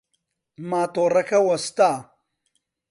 ماتۆڕەکە وەستا.